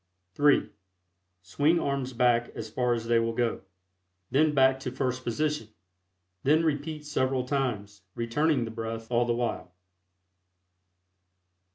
(3) Swing arms back as far as they will go; then back to first position; then repeat several times, returning the breath all the while.